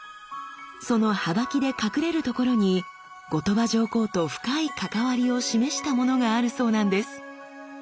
そのはばきで隠れるところに後鳥羽上皇と深い関わりを示したものがあるそうなんです。